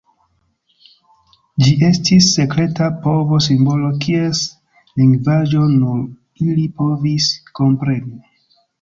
Ĝi estis sekreta povo-simbolo kies lingvaĵo nur ili povis kompreni.